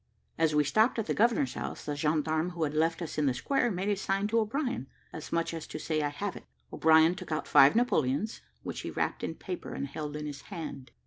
As we stopped at the governor's house, the gendarme who had left us in the square, made a sign to O'Brien, as much as to say, I have it. O'Brien took out five Napoleons, which he wrapped in paper and held in his hand.